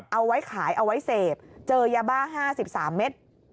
เอาไว้ขายเอาไว้เสพเจอยาบ้า๕๓เม็ด